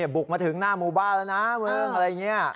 บุกมาถึงหน้าหมู่บ้านแล้วนะมึงอะไรอย่างนี้